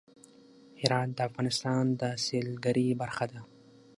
هرات د افغانستان د سیلګرۍ برخه ده.